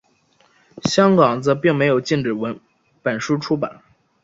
香港则并没有禁止本书出版。